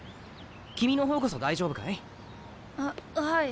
君の方こそ大丈夫かい？ははい。